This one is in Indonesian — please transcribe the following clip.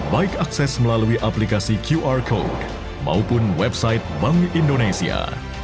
baik akses melalui aplikasi qr code maupun website bank indonesia